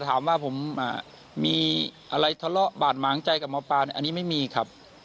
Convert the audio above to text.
ถามว่าผมมีอะไรทะเลาะบาดหมางใจกับหมอปลาอันนี้ไม่มีครับ